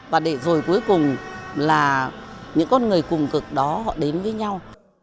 và để rồi cuối cùng là những con người cùng cực đó họ đến với nhau